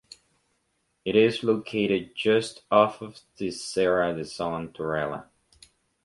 It is located just off the Serra de Son Torrella.